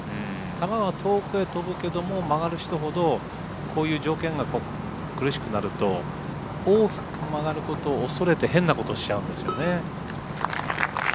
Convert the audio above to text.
球は遠くへ飛ぶけれども曲がる人ほどこういう条件が苦しくなると大きく曲がることを恐れて変なことをしちゃうんですよね。